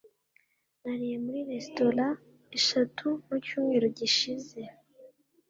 nariye muri resitora eshatu mucyumweru gishize